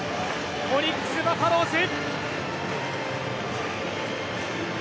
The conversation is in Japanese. オリックス・バファローズ。